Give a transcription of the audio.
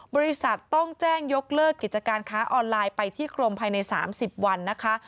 บริษัทต้องแจ้งยกเลิกกิจการค้าออนไลน์ไปที่กรมภายใน๓๐วันนะคะ